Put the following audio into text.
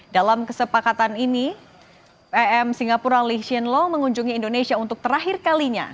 dalam kesepakatan ini pm singapura leesien law mengunjungi indonesia untuk terakhir kalinya